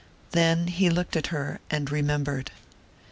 Then he looked at her and remembered.